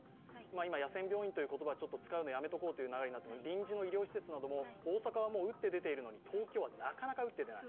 今、野戦病院という言葉を使うのはやめておこうというならいになっていますが、臨時の医療施設なども大阪は打って出ているのに東京はなかなか打って出ない。